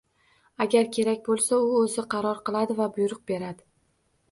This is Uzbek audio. Agar kerak bo'lsa, u o'zi qaror qiladi va buyruq beradi